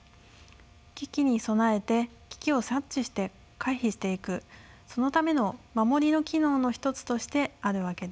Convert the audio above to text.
危機に備えて危機を察知して回避していくそのための守りの機能の一つとしてあるわけです。